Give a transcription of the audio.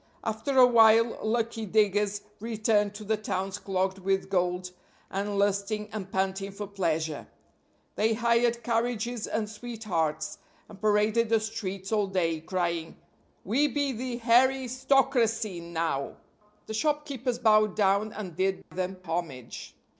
After a while lucky diggers returned to the towns clogged with gold, and lusting and panting for pleasure. They hired carriages and sweethearts, and paraded the streets all day, crying, "We be the hairy stocracy, now!!" The shopkeepers bowed down and did them homage.